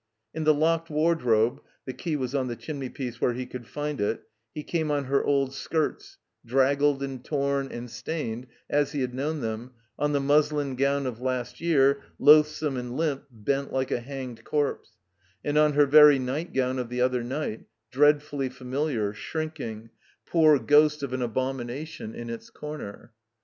In the locked wardrobe — ^the key was on the chim ney piece where he could find it— he came on her old skirts, draggled and torn and stained as he had known them, on the muslin gown of last year, loath some and limp, bent like a hanged corpse; and on her very nightgown of the other night, dreadfully familiar, shrinking, poor ghost of an abomination, 281 THE COMBINED MAZE in its comer.